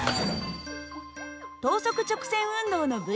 等速直線運動のυ−